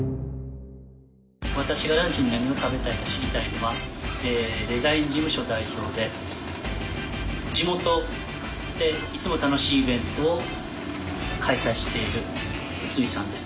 私がランチに何を食べたいか知りたいのはデザイン事務所代表で地元でいつも楽しいイベントを開催している慈さんです。